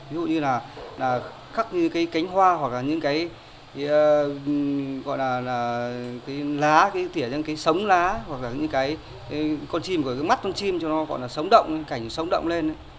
ví dụ như là khắc như cái cánh hoa hoặc là những cái gọi là cái lá cái tỉa những cái sống lá hoặc là những cái con chim của cái mắt con chim cho nó gọi là sống động cảnh sống động lên